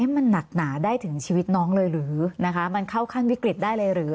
มันหนักหนาได้ถึงชีวิตน้องเลยหรือนะคะมันเข้าขั้นวิกฤตได้เลยหรือ